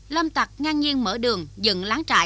lâm tạc ngang nhiên mở đường dựng láng trại